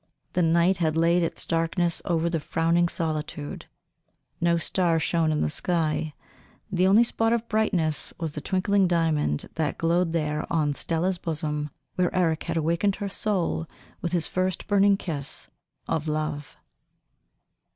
The night had laid its darkness over the frowning solitude; no star shone in the sky; the only spot of brightness was the twinkling diamond that glowed there on Stella's bosom, where Eric had awakened her soul with his first burning kiss of love!